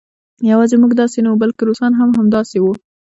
یوازې موږ داسې نه وو بلکې روسان هم همداسې وو